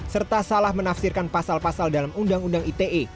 serta salah menafsirkan pasal pasal dalam undang undang ite